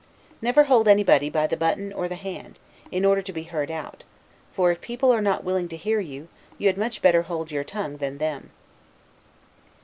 Never hold anybody by the button or the hand, in order to be heard out; for, if people are not willing to hear you, you had much better hold your tongue than them.